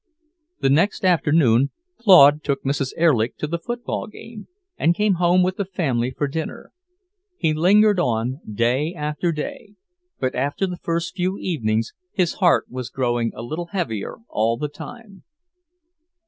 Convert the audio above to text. The next afternoon Claude took Mrs. Erlich to the football game and came home with the family for dinner. He lingered on day after day, but after the first few evenings his heart was growing a little heavier all the time.